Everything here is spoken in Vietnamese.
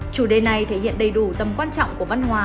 chủ đề này thể hiện đầy đủ tầm quan trọng của văn hóa